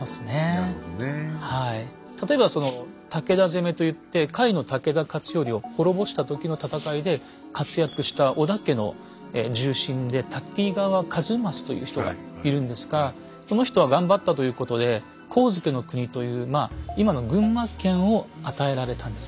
例えばその「武田攻め」といって甲斐の武田勝頼を滅ぼした時の戦いで活躍した織田家の重臣で滝川一益という人がいるんですがその人は頑張ったということで上野国という今の群馬県を与えられたんですね。